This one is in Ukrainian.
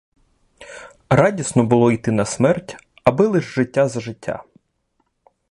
Радісно було йти на смерть, — аби лиш життя за життя.